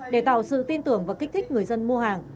để tạo sự tin tưởng và kích thích người dân mua hàng